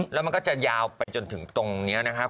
แล้วมันก็จะยาวไปจนถึงตรงนี้นะครับ